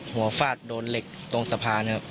ฟาดโดนเหล็กตรงสะพานครับ